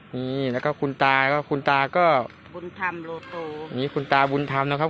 นี่แล้วก็คุณตาก็คุณตาก็บุญธรรมโลโตมีคุณตาบุญธรรมนะครับ